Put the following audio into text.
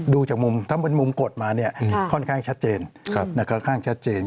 ดูจากมุมถ้าเป็นมุมกดมาเนี่ยค่อนข้างชัดเจน